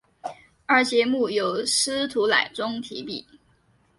而节目由司徒乃钟题笔。